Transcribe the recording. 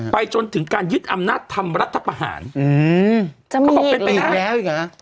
ไปจนถึงการยึดอำนาจทำรัฐพาหารเขาบอกเป็นเป็นอะไรอีกแล้วอีกแล้ว